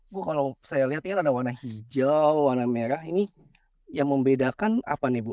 bu kalau saya lihat ini kan ada warna hijau warna merah ini yang membedakan apa nih bu